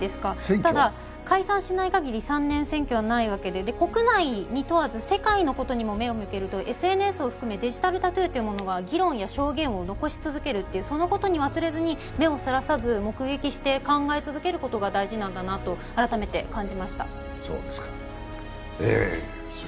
ただ、解散しない限り３年選挙はないわけで、国内に問わず、世界のことにも目を向けると、ＳＮＳを含め、デジタルタトゥーというものが議論や証言を残し続けるという、そのことを忘れずに、目をそらさず、目撃して考え続けることが大事なんだなと改めて感じました。